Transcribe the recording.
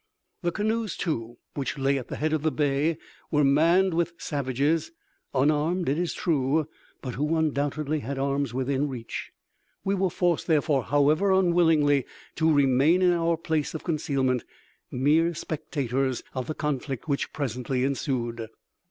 The canoes, too, which lay at the head of the bay, were manned with savages, unarmed, it is true, but who undoubtedly had arms within reach. We were forced, therefore, however unwillingly, to remain in our place of concealment, mere spectators of the conflict which presently ensued.